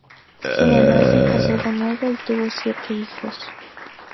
Su mamá se casó de nuevo y tuvo siete hijos.